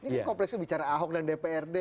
ini kan kompleksnya bicara ahok dan dprd